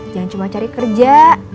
jangan cuman cari kerja